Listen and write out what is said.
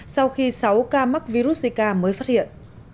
sau khi sáu ca mắc virus zika mới phát hiện